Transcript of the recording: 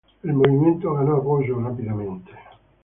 El movimiento ganó apoyo rápidamente.